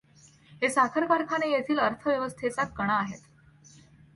हे साखर कारखाने येथील अर्थव्यवस्थेचा कणा आहेत.